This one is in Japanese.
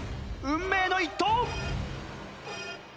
運命の一投！